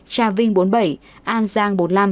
trà vinh bốn mươi bảy an giang bốn mươi năm